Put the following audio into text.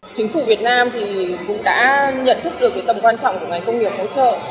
chính phủ việt nam cũng đã nhận thức được tầm quan trọng của ngành công nghiệp hỗ trợ